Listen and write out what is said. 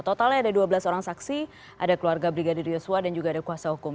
totalnya ada dua belas orang saksi ada keluarga brigadir yosua dan juga ada kuasa hukum